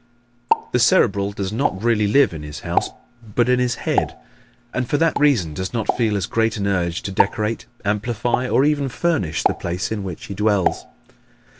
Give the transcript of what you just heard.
The Cerebral does not really live in his house but in his head, and for that reason does not feel as great an urge to decorate, amplify or even furnish the place in which he dwells.